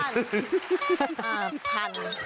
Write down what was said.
อ่าพัง